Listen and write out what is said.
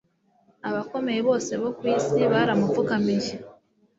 Abakomeye bose bo ku isi baramupfukamiye